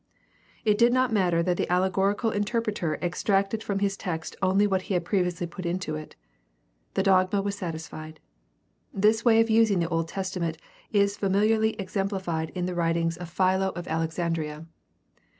It did not matter that the allegorical interpreter extracted from his text only what he had previously put into it. The dogma was satisfied. This way of using the Old Testament is familiarly exemplified in the writings of Philo THE STUDY OF THE NEW TESTAMENT 221 of Alexandria.